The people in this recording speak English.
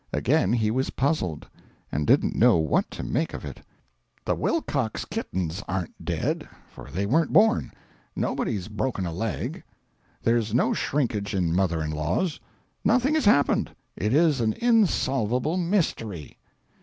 Again he was puzzled, and didn't know what to make of it. "The Wilcox kittens aren't dead, for they weren't born; nobody's broken a leg; there's no shrinkage in mother in laws; NOTHING has happened it is an insolvable mystery."